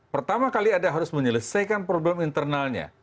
pertama kali ada harus menyelesaikan problem internalnya